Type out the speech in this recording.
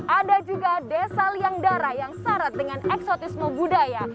ada juga desa liangdara yang syarat dengan eksotisme budaya